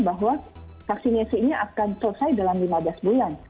bahwa vaksinasi ini akan selesai dalam lima belas bulan